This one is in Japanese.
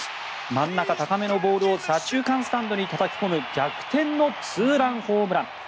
真ん中高めのボールを左中間スタンドにたたき込む逆転のツーランホームラン。